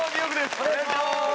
お願いします。